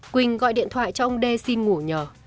quỳnh gọi điện thoại cho ông đê xin ngủ nhờ